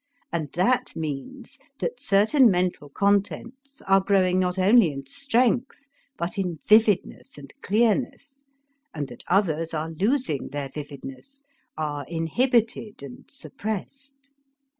And that means that certain mental contents are growing not only in strength but in vividness and clearness, and that others are losing their vividness, are inhibited and suppressed.